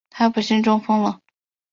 她不幸中风了